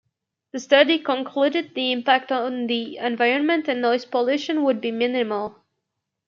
The study concluded the impact on the environment and noise pollution would be minimal.